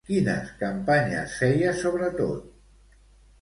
Quines campanyes feia sobretot?